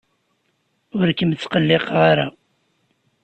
Ur kem-ttqelliqeɣ ara.